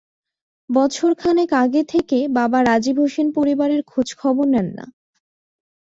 বছর খানেক আগে থেকে বাবা রাজীব হোসেন পরিবারের খোঁজখবর নেন না।